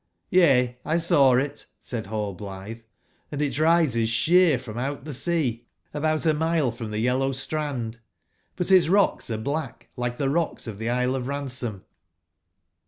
*' Yea, lsawit/' said Hallblitbe, ''and it rises sheer from out tbe sea 60 about a mile from tbc yellow strand; but its rocl^s are black, like tbe rocks of tbe Xsle of Ransom "j!?